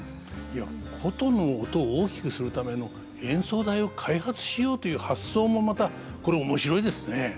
箏の音を大きくするための演奏台を開発しようという発想もまたこれ面白いですね。